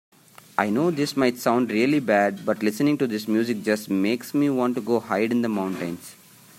I know this might sound really bad, but listening to this music just makes me want to go hide in the mountains.